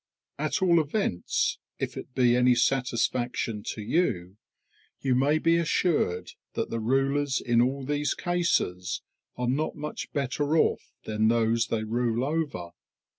At all events, if it be any satisfaction to you, you may be assured that the rulers in all these cases are not much better off than those they rule over.